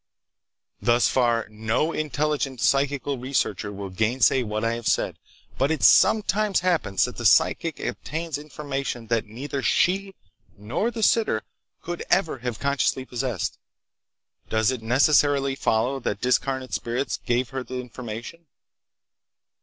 "Thus far no intelligent psychical researcher will gainsay what I have said. But it sometimes happens that the psychic obtains information that neither she nor the sitter could ever have consciously possessed. Does it necessarily follow that discarnate spirits gave her the information?